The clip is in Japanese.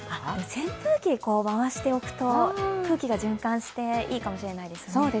扇風機を回しておくと空気が循環していいかもしれないですね。